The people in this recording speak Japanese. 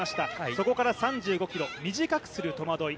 そこから３５ｋｍ、短くする戸惑い。